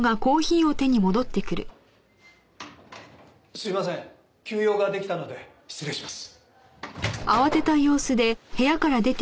すいません急用が出来たので失礼します。